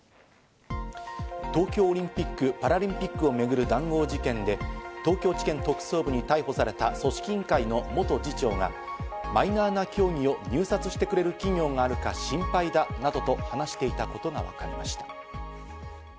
東京オリンピック・パラリンピックを巡る談合事件で、東京地検特捜部に逮捕された組織委員会の元次長が、マイナーな競技を入札してくれる企業があるか心配だなどと話していたことがわかりました。